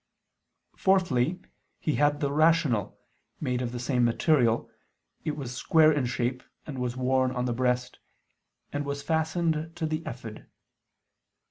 Fourthly, he had the rational, made of the same material; it was square in shape, and was worn on the breast, and was fastened to the ephod.